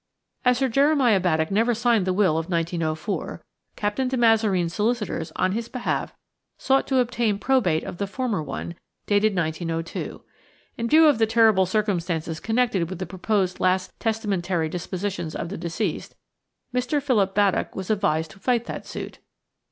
As Sir Jeremiah Baddock never signed the will of 1904, Captain de Mazareen's solicitors, on his behalf, sought to obtain probate of the former one, dated 1902. In view of the terrible circumstances connected with the proposed last testamentary dispositions of the deceased, Mr. Philip Baddock was advised to fight that suit.